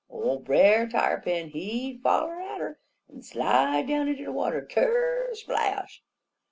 _ Ole Brer Tarrypin, he'd foller atter, en slide down inter de water _kersplash!